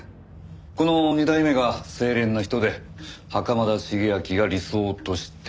この２代目が清廉な人で袴田茂昭が理想としていた？